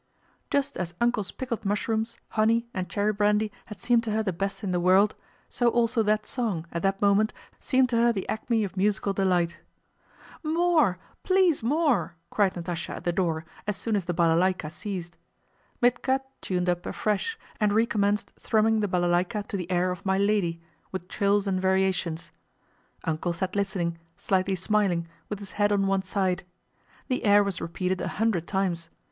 Just as "Uncle's" pickled mushrooms, honey, and cherry brandy had seemed to her the best in the world, so also that song, at that moment, seemed to her the acme of musical delight. "More, please, more!" cried Natásha at the door as soon as the balaláyka ceased. Mítka tuned up afresh, and recommenced thrumming the balaláyka to the air of My Lady, with trills and variations. "Uncle" sat listening, slightly smiling, with his head on one side. The air was repeated a hundred times.